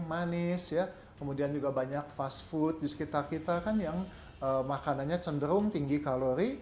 manis ya kemudian juga banyak fast food di sekitar kita kan yang makanannya cenderung tinggi kalori